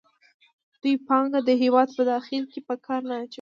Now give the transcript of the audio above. دوی پانګه د هېواد په داخل کې په کار نه اچوي